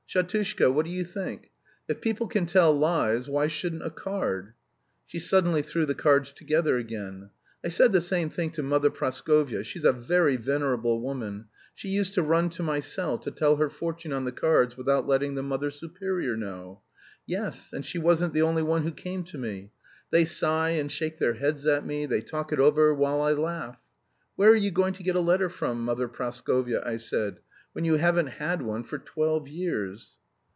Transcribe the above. Shatushka, what do you think? If people can tell lies why shouldn't a card?" She suddenly threw the cards together again. "I said the same thing to Mother Praskovya, she's a very venerable woman, she used to run to my cell to tell her fortune on the cards, without letting the Mother Superior know. Yes, and she wasn't the only one who came to me. They sigh, and shake their heads at me, they talk it over while I laugh. 'Where are you going to get a letter from, Mother Praskovya,' I say, 'when you haven't had one for twelve years?'